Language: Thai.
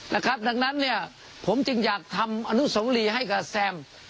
ด้านนั้นผมจึงอยากทำอนุสรรีให้กับแซม